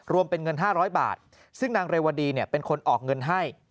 รวมเป็นเงิน๕๐๐บาทซึ่งนางเรวดีเป็นคนออกเงินให้